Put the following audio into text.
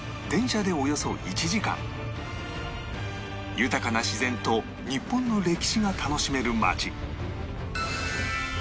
豊かな自然と日本の歴史が楽しめる街